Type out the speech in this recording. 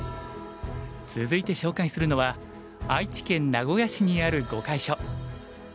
続いて紹介するのは愛知県名古屋市にある碁会所。